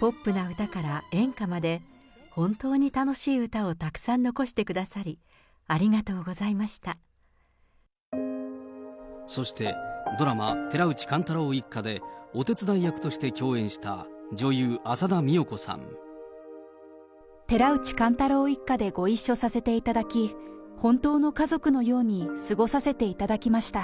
ポップな歌から演歌まで、本当に楽しい歌をたくさん残してくださり、ありがとうございましそして、ドラマ、寺内貫太郎一家でお手伝い役として共演した女優、寺内貫太郎一家でご一緒させていただき、本当の家族のように過ごさせていただきました。